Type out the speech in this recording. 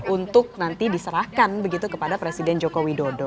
untuk nanti diserahkan begitu kepada presiden joko widodo